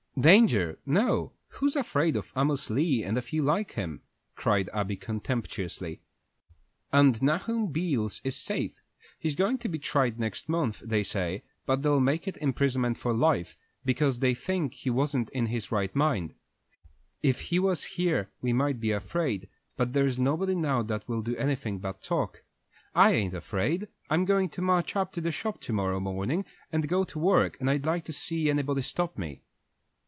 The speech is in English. "Danger no; who's afraid of Amos Lee and a few like him?" cried Abby, contemptuously; "and Nahum Beals is safe. He's going to be tried next month, they say, but they'll make it imprisonment for life, because they think he wasn't in his right mind. If he was here we might be afraid, but there's nobody now that will do anything but talk. I ain't afraid. I'm going to march up to the shop to morrow morning and go to work, and I'd like to see anybody stop me."